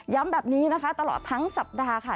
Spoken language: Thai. แบบนี้นะคะตลอดทั้งสัปดาห์ค่ะ